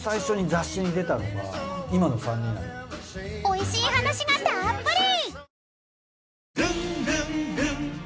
［おいしい話がたーっぷり！］